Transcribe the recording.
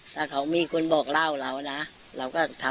ถ้าเขามีคนบอกเล่าเรานะเราก็ทำ